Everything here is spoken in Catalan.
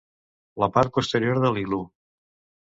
La part posterior de l'iglú.